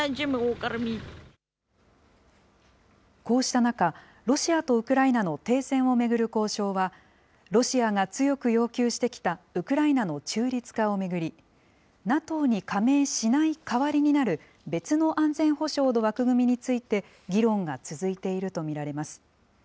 こうした中、ロシアとウクライナの停戦を巡る交渉は、ロシアが強く要求してきたウクライナの中立化を巡り、ＮＡＴＯに加盟しない代わりになる別の安全保障の枠組みについて議論が続いていると見られます。